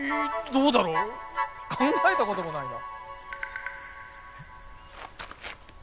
どうだろう考えたこともないな。